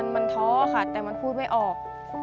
มันท้อค่ะแต่มันพูดไม่ออก